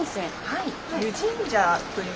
はい。